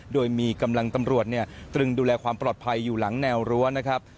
โดยมีกำลังตำรวจตรึงดูแลความปลอดภัยอยู่หลังแนวรั้วนะครับ